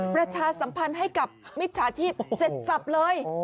ประชาสัมพันธ์ให้กับมิจฉาชีพเสร็จสับเลย